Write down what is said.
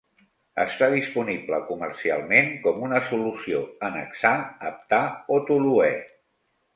Està disponible comercialment com una solució en hexà, heptà, o toluè.